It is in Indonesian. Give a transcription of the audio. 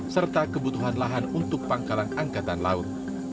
serta kebutuhan lahan untuk pangkalan angkatan laut